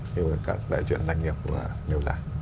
như các đại diện doanh nghiệp nêu lại